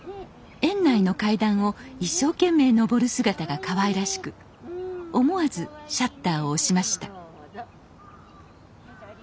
園内の階段を一生懸命上る姿がかわいらしく思わずシャッターを押しました